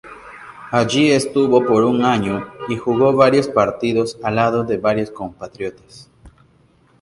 Allí estuvo por un año y jugó varios partidos al lado de varios compatriotas.